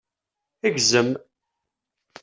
Gzem!